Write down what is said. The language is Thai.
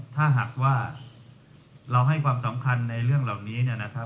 ถ้าหากว่าเราให้ความสำคัญในเรื่องเหล่านี้